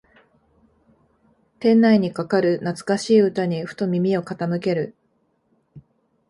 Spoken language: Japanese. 店内にかかる懐かしい歌にふと耳を傾ける